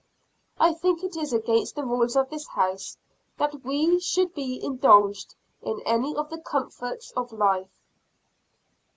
I think it is against the rules of this house that we should be indulged in any of the comforts of life.